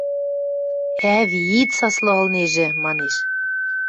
– Ӓви, ит саслы ылнежӹ... – манеш.